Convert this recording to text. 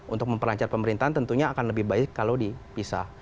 untuk memperlancar pemerintahan tentunya akan lebih baik kalau dipisah